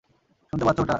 শুনতে পাচ্ছ ওটা?